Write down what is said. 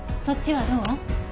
そっちはどう？